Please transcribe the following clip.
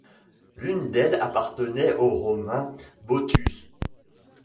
L'une d'elles appartenait au romain Bottius.